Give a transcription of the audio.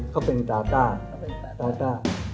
เขาเป็นตาต้า